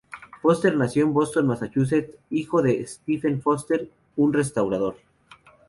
Foster nació en Boston, Massachusetts, hijo de Stephen Foster, un restaurador.